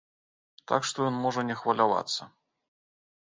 Так што ён можа не хвалявацца.